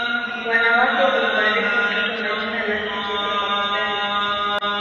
Wanawake humbariki mtoto na jina lake jipya kwa kusema